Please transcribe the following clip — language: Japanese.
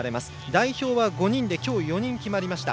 代表は５人で今日、４人決まりました。